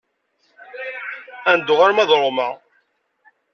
Ad neddu arma d Roma.